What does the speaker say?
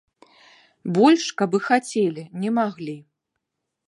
Больш каб і хацелі, не маглі.